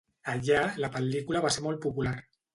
Allà la pel·lícula va ser molt popular.